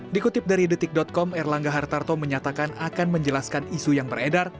dikutip dari detik com erlangga hartarto menyatakan akan menjelaskan isu yang beredar